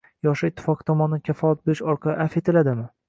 Yoshlar ittifoqi tomonidan kafolat berish orqali avf etiladimi?